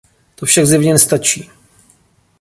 To však zjevně nestačí.